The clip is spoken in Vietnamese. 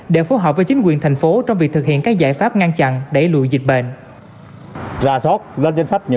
để phối hợp với chính quyền thành phố trong việc thực hiện các giải pháp ngăn chặn đẩy lùi dịch bệnh